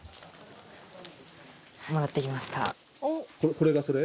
これがそれ？